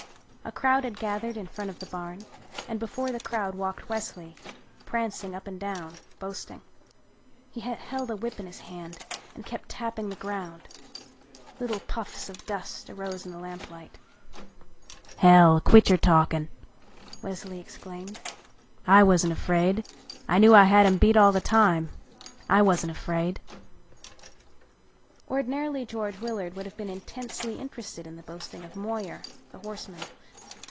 A crowd had gathered in front of the barn and before the crowd walked Wesley, prancing up and down boasting. He held a whip in his hand and kept tapping the ground. Little puffs of dust arose in the lamplight. "Hell, quit your talking," Wesley exclaimed. "I wasn't afraid, I knew I had 'em beat all the time. I wasn't afraid." Ordinarily George Willard would have been intensely interested in the boasting of Moyer, the horseman.